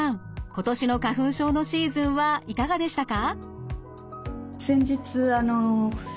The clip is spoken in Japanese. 今年の花粉症のシーズンはいかがでしたか？